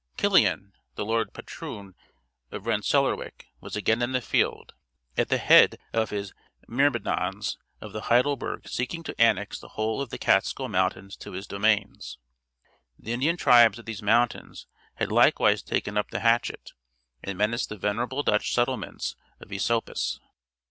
Killian, the lordly patroon of Rensellaerwick, was again in the field, at the head of his myrmidons of the Helderberg seeking to annex the whole of the Catskill mountains to his domains. The Indian tribes of these mountains had likewise taken up the hatchet, and menaced the venerable Dutch settlements of Esopus.